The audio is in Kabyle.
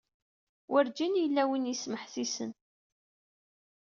Werǧin yella win yesmeḥsisen.